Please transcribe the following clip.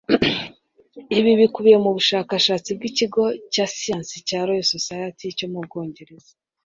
Ibi bikubiye mu bushakashatsi bw'ikigo cya siyansi cya Royal Society cyo mu Bwongereza.